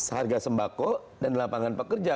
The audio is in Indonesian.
harga sembako dan lapangan pekerja